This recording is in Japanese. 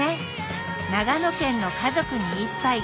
長野県の「家族に一杯」。